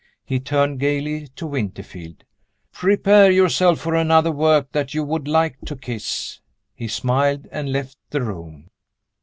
He turned gayly to Winterfield. "Prepare yourself for another work that you would like to kiss." He smiled, and left the room.